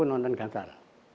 itu bukan gangsal